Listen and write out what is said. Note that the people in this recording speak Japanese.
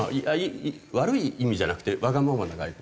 悪い意味じゃなくてわがままな外交。